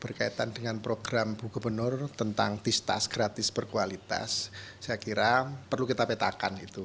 berkaitan dengan program bu gubernur tentang tistas gratis berkualitas saya kira perlu kita petakan itu